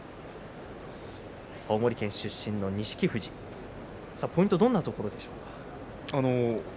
青森県出身の錦富士ポイントはどんなところでしょうか。